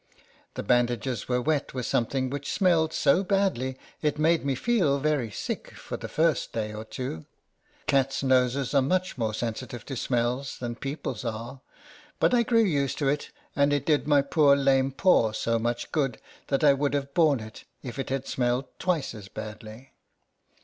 The bandages were wet with some thing which smelled so badly it made me feel very sick, for the first day or two. Cats' noses are much more sensitive to smells than people's are; but I grew used to it, and it did my poor lame paw so much good that I would have borne it if it had smelled twice as badly.